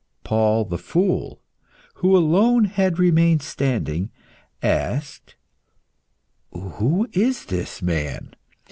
Paul the Fool, who alone had remained standing, asked, "Who is this man?"